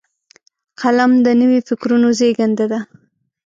قلم د نوي فکرونو زیږنده دی